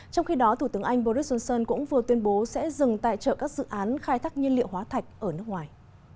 trong khi đó thủ tướng anh boris johnson cũng vừa tuyên bố sẽ dừng tài trợ các dự án khai thác nhiên liệu hóa thạch ở nước ngoài